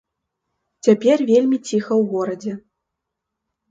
Цяпер вельмі ціха ў горадзе.